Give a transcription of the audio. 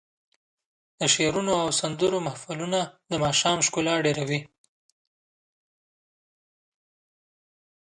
د شعرونو او سندرو محفلونه د ماښام ښکلا ډېروي.